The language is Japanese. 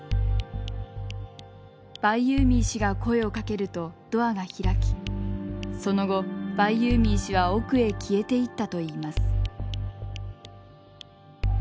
バイユーミー氏が声をかけるとドアが開きその後バイユーミー氏は奥へ消えていったといいます。